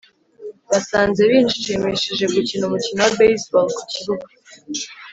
basanze bishimishije gukina umukino wa baseball ku kibuga